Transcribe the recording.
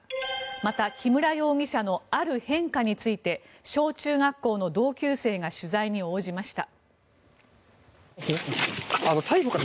また、木村容疑者のある変化について小中学校の同級生が取材に応じました。